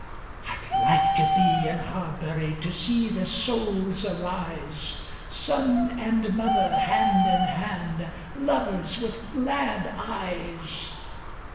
"I'd like to be in Harbury to see the souls arise, Son and mother hand in hand, lovers with glad eyes.